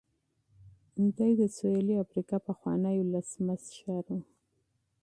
دی د جنوبي افریقا پخوانی ولسمشر و.